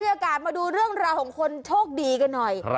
อากาศมาดูเรื่องราวของคนโชคดีกันหน่อย